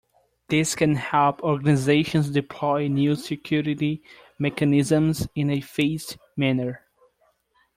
This can help organizations deploy new security mechanisms in a phased manner.